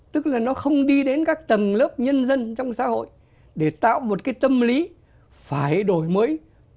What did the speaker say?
tức là nó không đi đến các tầng lớp nhân dân trong xã hội để tạo một cái tâm lý phải đổi mới